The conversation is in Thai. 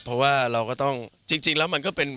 เพราะว่าเราก็ต้องจริงแล้วมันก็เป็น